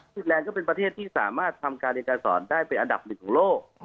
แลนด์ก็เป็นประเทศที่สามารถทำการเรียนการสอนได้เป็นอันดับหนึ่งของโลก